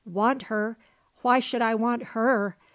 "Want her! Why should I want her!